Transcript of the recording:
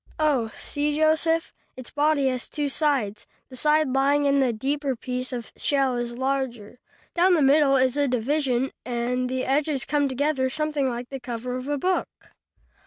"Oh, see, Joseph! Its body has two sides. The side lying in the deeper piece of shell is larger. Down the middle is a division and the edges come together something like the cover of a book.